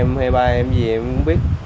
mẹ em hay bà em gì em cũng biết